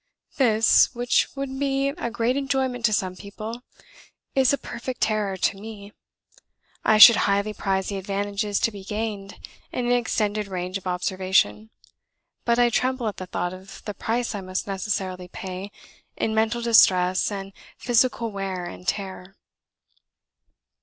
This, which would be a great enjoyment to some people, is a perfect terror to me. I should highly prize the advantages to be gained in an extended range of observation; but I tremble at the thought of the price I must necessarily pay in mental distress and physical wear and tear."